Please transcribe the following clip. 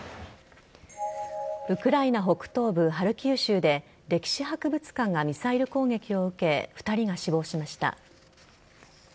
ウクライナ北東部ハルキウ州で歴史博物館がミサイル攻撃を受け２人が死亡しました。